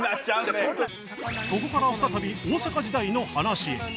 ここからは再び大阪時代の話へ